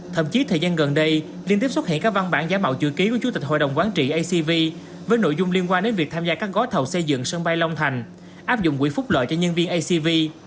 thậm chí thời gian gần đây liên tiếp xuất hiện các văn bản giá mạo chữ ký của chủ tịch hội đồng quán trị acv với nội dung liên quan đến việc tham gia các gói thầu xây dựng sân bay long thành áp dụng quỹ phúc lợi cho nhân viên acv